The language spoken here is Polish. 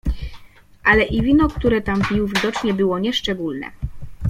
"Ale i wino, które tam pił, widocznie było nieszczególne."